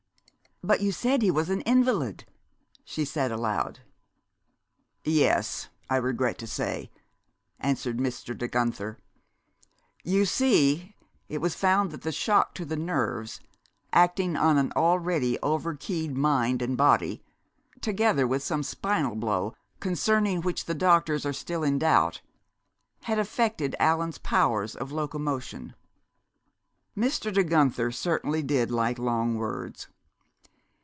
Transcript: "But you said he was an invalid?" she said aloud. "Yes, I regret to say," answered Mr. De Guenther. "You see, it was found that the shock to the nerves, acting on an already over keyed mind and body, together with some spinal blow concerning which the doctors are still in doubt, had affected Allan's powers of locomotion." (Mr. De Guenther certainly did like long words!)